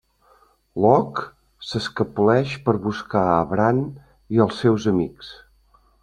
Locke s'escapoleix per buscar a Bran i els seus amics.